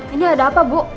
ini ada apa bu